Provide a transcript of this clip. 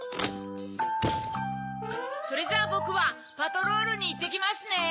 それじゃあぼくはパトロールにいってきますね。